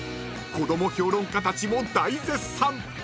［子ども評論家たちも大絶賛］